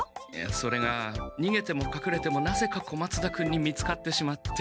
それがにげてもかくれてもなぜか小松田君に見つかってしまって。